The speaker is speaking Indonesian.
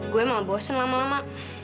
gue emang bosen lama lama